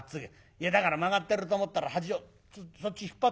いやだから曲がってると思ったら端をそっち引っ張ってみ